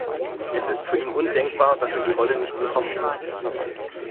Es ist für ihn undenkbar, dass er die Rolle nicht bekommen wird.